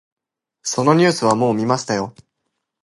そのニュースはもう見ましたよ。